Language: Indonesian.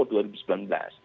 tahun dua ribu sembilan belas